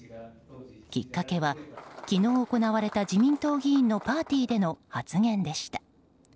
きっかけは昨日行われた、自民党議員のパーティーでの発言でした。